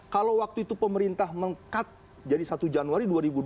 kalau waktu itu pemerintah meng cut jadi satu januari dua ribu dua puluh